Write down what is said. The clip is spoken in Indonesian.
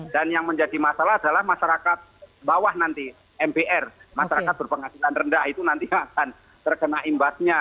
yang menjadi masalah adalah masyarakat bawah nanti mbr masyarakat berpenghasilan rendah itu nanti akan terkena imbasnya